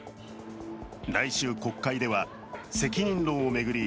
来週、国会では責任論を巡り